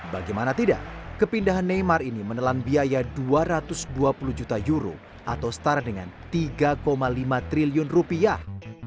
bagaimana tidak kepindahan neymar ini menelan biaya dua ratus dua puluh juta euro atau setara dengan tiga lima triliun rupiah